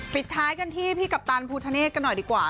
ปิดท้ายกันที่พี่กัปตันภูทะเนธกันหน่อยดีกว่า